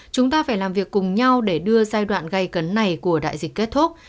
chúng ta phải làm việc cùng nhau để đưa giai đoạn gây cấn này của đại dịch kết thúc